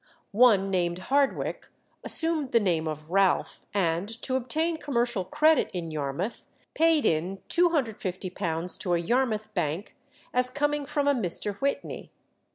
One named Hardwicke assumed the name of Ralph, and, to obtain commercial credit in Yarmouth, paid in £250 to a Yarmouth bank as coming from a Mr. Whitney.